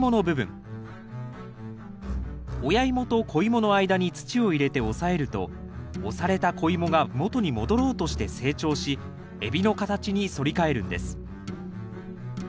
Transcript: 親イモと子イモの間に土を入れて押さえると押された子イモがもとに戻ろうとして成長し海老の形に反り返るんです。